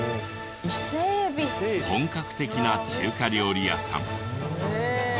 本格的な中華料理屋さん。